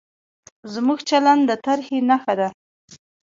زموږ چلند د ترهې نښه ده.